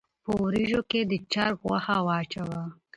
په وريژو کښې د چرګ غوښه واچوه